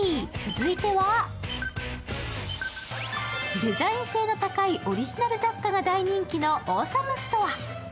デザイン性の高いオリジナル雑貨が大人気のオーサムストア。